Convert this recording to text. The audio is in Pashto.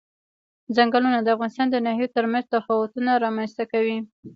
ځنګلونه د افغانستان د ناحیو ترمنځ تفاوتونه رامنځ ته کوي.